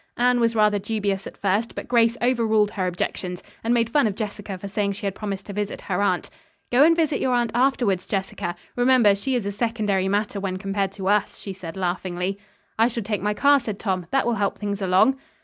Anne was rather dubious at first, but Grace overruled her objections, and made fun of Jessica for saying she had promised to visit her aunt. "Go and visit your aunt afterwards, Jessica. Remember, she is a secondary matter when compared to us," she said laughingly. "I shall take my car," said Tom. "That will help things along."